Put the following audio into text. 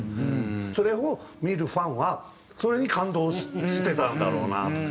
それを見るファンはそれに感動してたんだろうなと。